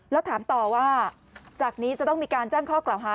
แล้วถามต่อว่าจากนี้จะต้องมีการแจ้งข้อกล่าวหา